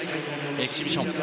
エキシビション。